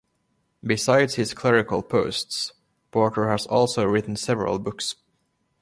Besides his clerical posts, Porter has also written several books.